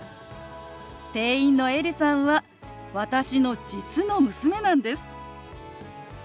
店員のエリさんは私の実の娘なんです。